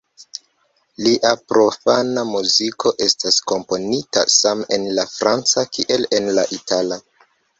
Lia profana muziko estas komponita same en la franca kiel en la itala.